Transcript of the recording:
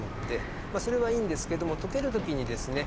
それはいいんですけども溶けるときにですね